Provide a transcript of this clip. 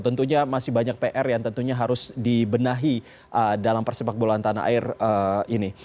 tentunya masih banyak pr yang tentunya harus dibenahi dalam persepak bolaan tanah air ini